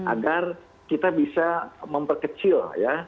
agar kita bisa memperkecil ya